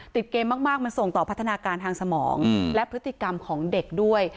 ติดเกมมากมันส่งต่อพัฒนาการทางสมองและพฤติกรรมของเด็กด้วย